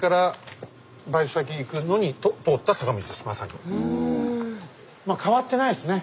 このいつもまあ変わってないですね。